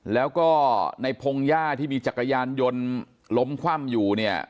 แล้วก็ในพงหญ้าที่มีจักรยานยนต์ล้มคว่ำอยู่เนี่ย